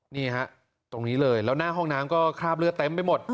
นี่ฮะตรงนี้เลยแล้วหน้าห้องน้ำก็คราบเลือดเต็มไปหมด